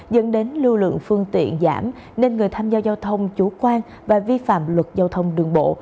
dẫn đến lưu lượng phương tiện giảm nên người tham gia giao thông chủ quan và vi phạm luật giao thông đường bộ